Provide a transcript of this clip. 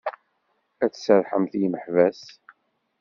Ad d-tserrḥemt i yimeḥbas.